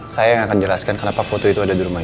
saya yang akan jelaskan kenapa foto itu ada di rumah